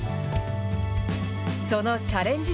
そのチャレンジ